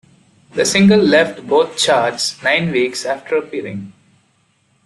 The single left both charts nine weeks after appearing.